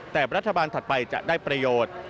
แต่รัฐบาลถัดไปจะได้ประโยชน์